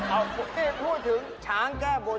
เอาที่พูดถึงช้างแก้บน